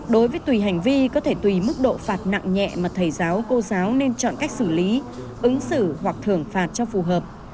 đối với tùy hành vi có thể tùy mức độ phạt nặng nhẹ mà thầy giáo cô giáo nên chọn cách xử lý ứng xử hoặc thưởng phạt cho phù hợp